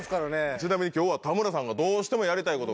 ちなみに今日は田村さんがどうしてもやりたいことがある。